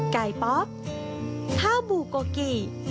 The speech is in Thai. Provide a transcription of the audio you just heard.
ไกไพร์เาาปูกโกกิ